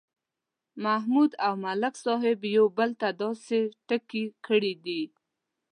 محمود او ملک صاحب یو بل ته داسې ټکي کړي دي